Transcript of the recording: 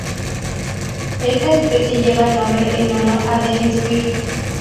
Esta especie lleva el nombre en honor a Denys Firth.